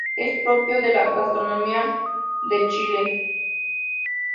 Es propio de la gastronomía de Chile.